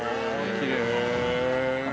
きれい。